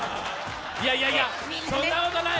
いやいやいや、そんなことない。